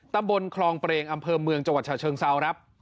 ตำบลคลองเปรงอำเภอเมืองจังหวัดฉะเชิงเซาครับ